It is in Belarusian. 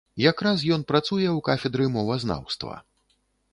Якраз ён працуе ў кафедры мовазнаўства.